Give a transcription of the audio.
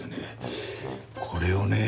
これをね。